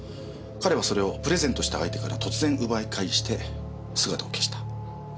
彼はそれをプレゼントした相手から突然奪い返して姿を消した。